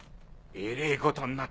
えれぇことになった。